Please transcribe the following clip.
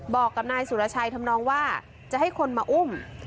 บอกกับนายสุรชัยทำนองว่าจะให้คนมาอุ้ม